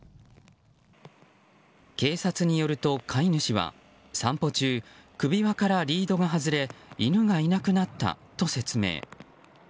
警察によると、飼い主は散歩中首輪からリードが外れ犬がいなくなったと説明。